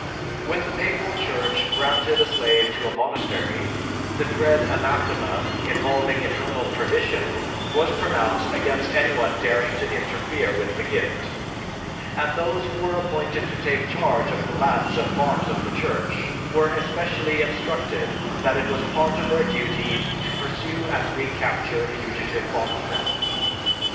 When the Papal Church granted a slave to a monastery, the dread anathema, involving eternal perdition, was pronounced against anyone daring to interfere with the gift; and those who were appointed to take charge of the lands and farms of the Church, were especially instructed that it was part of their duty to pursue and recapture fugitive bondsmen."